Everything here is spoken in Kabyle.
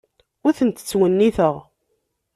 Ur ten-ttwenniteɣ.